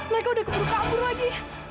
mereka udah keburu kabur lagi